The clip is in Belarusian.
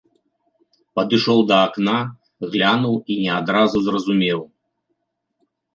Падышоў да акна, глянуў і не адразу зразумеў.